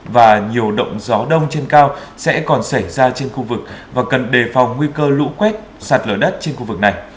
và nhiều động gió đông trên cao sẽ còn xảy ra trên khu vực và cần đề phòng nguy cơ lũ quét sạt lở đất trên khu vực này